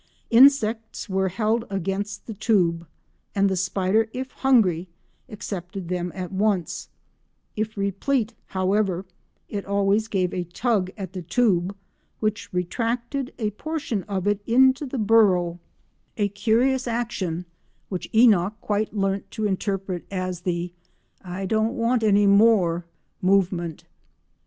Insects were held against the tube, and the spider, if hungry, accepted them at once; if replete however, it always gave a tug at the tube, which retracted a portion of it into the burrow—a curious action which Enock quite learnt to interpret as the "I don't want any more" movement.